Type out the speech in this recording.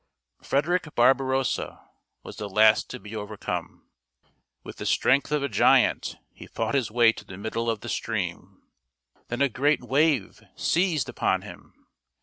Frederick Barbarossa was the last to be over come. With the strength of a giant he fought his way to the middle of the stream. Then a great wave seized upon him.